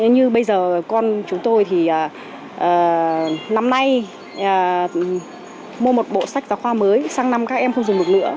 như bây giờ con chúng tôi thì năm nay mua một bộ sách giáo khoa mới sang năm các em không dùng được nữa